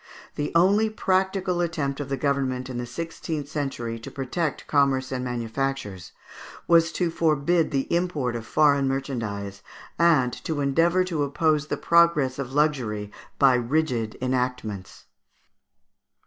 The only practical attempt of the government in the sixteenth century to protect commerce and manufactures was to forbid the import of foreign merchandise, and to endeavour to oppose the progress of luxury by rigid enactments.